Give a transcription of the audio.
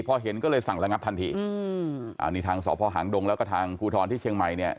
พอเห็นก็เลยสั่งระงับทันทีอืมอันนี้ทางสพหางดงแล้วก็ทางภูทรที่เชียงใหม่เนี่ย